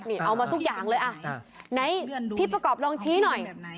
นี่เอามาทุกอย่างเลยอ่ะไหนพี่ประกอบลองชี้หน่อย